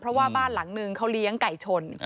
เพราะว่าบ้านหลังนึงเขาเลี้ยงไก่ชน